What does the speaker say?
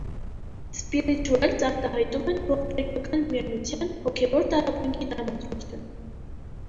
Սպիռիչուելս արտահայտում են ողբերգական միայնության, հոգևոր տառապանքի տրամադրություն։